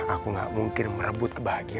aku gak mungkin merebut kebahagiaan